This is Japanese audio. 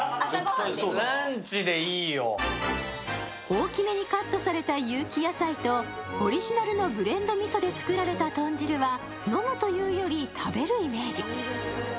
大きめにカットされた有機野菜とオリジナルのブレンドみそで作られた豚汁は飲むというより食べるイメージ。